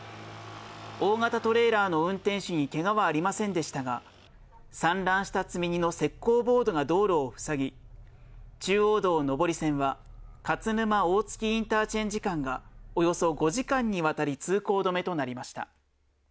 大型トレーラーの運転手にけがはありませんでしたが、散乱した積み荷の石こうボードが道路を塞ぎ、中央道上り線は勝沼・大月インターチェンジ間がおよそ５時間にわたり通行止めとなりました。